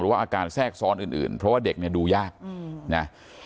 หรือว่าอาการแทรกซ้อนอื่นอื่นเพราะว่าเด็กเนี้ยดูยากอืมนะ